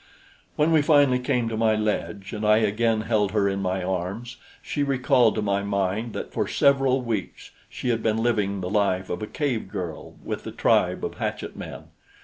When we finally came to my ledge and I again held her in my arms, she recalled to my mind that for several weeks she had been living the life of a cave girl with the tribe of hatchet men.